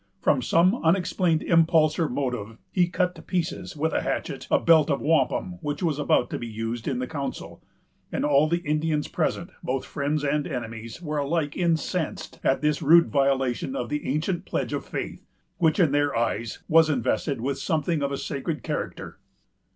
From some unexplained impulse or motive, he cut to pieces, with a hatchet, a belt of wampum which was about to be used in the council; and all the Indians present, both friends and enemies, were alike incensed at this rude violation of the ancient pledge of faith, which, in their eyes, was invested with something of a sacred character.